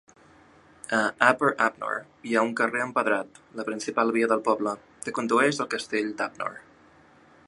A Upper Upnor hi ha un carrer empedrat, la principal via del poble, que condueix al castell d'Upnor.